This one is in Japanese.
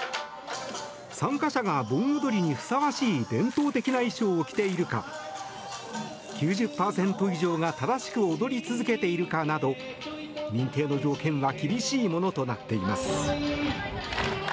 参加者が、盆踊りにふさわしい伝統的な衣装を着ているか９０％以上が正しく踊り続けているかなど認定の条件は厳しいものとなっています。